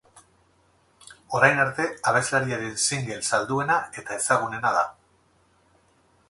Orain arte, abeslariaren single salduena eta ezagunena da.